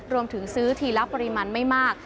รวมถึงซื้อทีละปริมาณไม่มาก